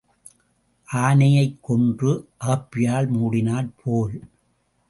ஆனையைக் கொன்று அகப்பையால் மூடினாற் போல்.